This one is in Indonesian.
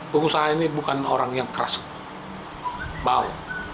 pengusaha ini bukan orang yang keras bau